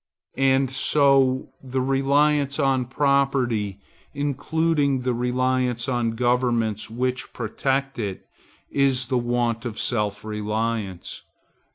And so the reliance on Property, including the reliance on governments which protect it, is the want of self reliance.